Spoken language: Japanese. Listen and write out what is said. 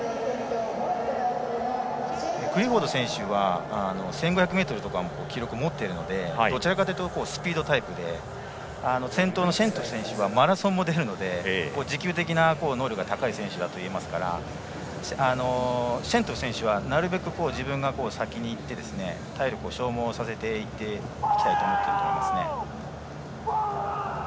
クリフォード選手は１５００ｍとかも記録を持っているのでどちらかというとスピードタイプで先頭のシェントゥフ選手はマラソンも出るので持久的な能力が高い選手だといえますからシェントゥフ選手はなるべく自分が先にいって体力を消耗させていきたいと思っていますね。